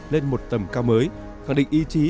lên một tầm cao mới khẳng định ý chí